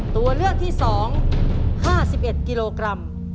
ตัวเลือกที่๒๕๑กิโลกรัม